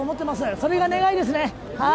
それが願いですね。